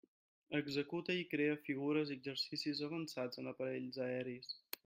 Executa i crea figures i exercicis avançats en aparells aeris.